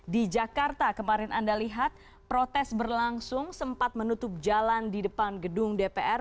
di jakarta kemarin anda lihat protes berlangsung sempat menutup jalan di depan gedung dpr